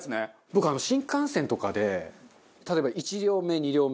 僕新幹線とかで例えば１両目２両目。